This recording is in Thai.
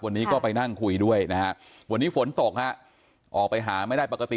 วันนี้ก็ไปนั่งคุยด้วยนะฮะวันนี้ฝนตกฮะออกไปหาไม่ได้ปกติ